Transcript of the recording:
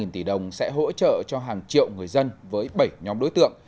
sáu mươi hai tỷ đồng sẽ hỗ trợ cho hàng triệu người dân với bảy nhóm đối tượng